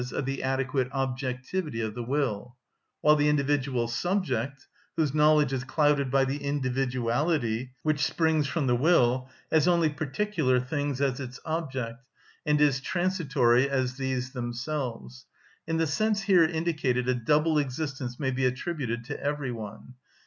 _, of the adequate objectivity of the will; while the individual subject, whose knowledge is clouded by the individuality which springs from the will, has only particular things as its object, and is transitory as these themselves. In the sense here indicated a double existence may be attributed to every one.